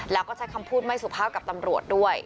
แล้วก็ใช้คำพูดไม่สุภาพกับตำรวจด้วย